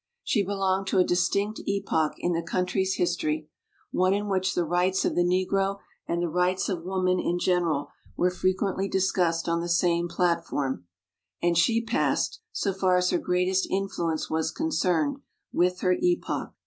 She be longed to a distinct epoch in the country's history, one in w r hich the rights of the Negro and the rights of woman in general were frequently discussed on the same platform; and she passed so far as her greatest influ ence was concerned with her epoch.